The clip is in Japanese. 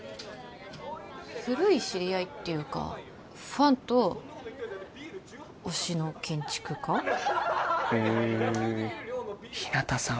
古い知り合いっていうかファンと推しの建築家へえ日向さん